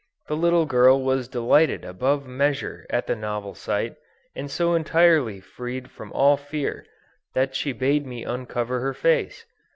The little girl was delighted above measure at the novel sight, and so entirely freed from all fear, that she bade me uncover her face.